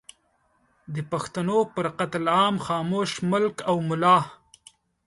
د پښتنو پر قتل عام خاموش ملک او ملا